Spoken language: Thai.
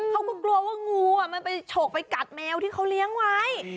เขาก็กลัวว่างูมันไปฉกไปกัดแมวที่เขาเลี้ยงไว้